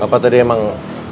apa tadi emang